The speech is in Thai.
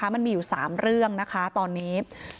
มันมีอยู่๓เรื่องนะคะตอนนี้